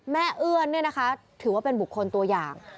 แม่เอื้อนนี่นะคะถือว่าเป็นบุคคลตัวอย่าง